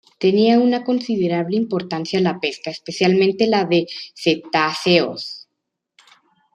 Tenía una considerable importancia la pesca, especialmente la de cetáceos.